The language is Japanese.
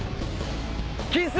キス！